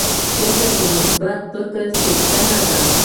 ښځه د مثبت فکر څښتنه ده.